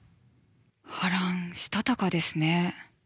ハランしたたかですね。